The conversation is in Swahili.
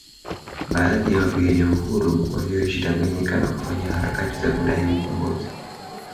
Baadhi ya wapigania uhuru walioishi Tanganyika na kufanya harakati za kudai ukumbozi